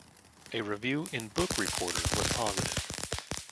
A review in "book reporter" was positive.